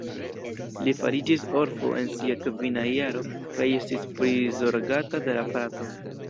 Li fariĝis orfo en sia kvina jaro kaj estis prizorgata de la frato.